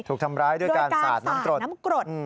ถูกทำร้ายด้วยการสาดน้ำกรด